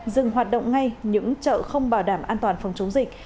dừng hoạt động ngay những chợ không bảo đảm an toàn phòng chống dịch